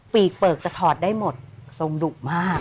ปีกเปลือกจะถอดได้หมดทรงดุมาก